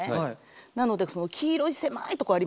なのでその黄色い狭いとこありますよね。